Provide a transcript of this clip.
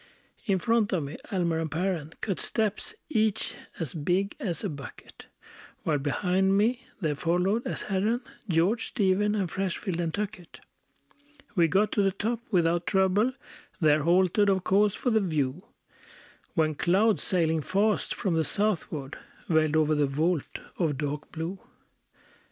In front of me Almer and Perren Cut steps, each as big as a bucket; While behind me there followed, as Herren, George, Stephen, and Freshfield, and Tuckett. We got to the top without trouble; There halted, of course, for the view; When clouds, sailing fast from the southward, Veiled over the vault of dark blue.